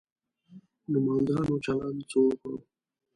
نومندانو چلند څه وکړو.